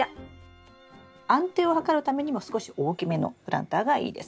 安定を図るためにも少し大きめのプランターがいいです。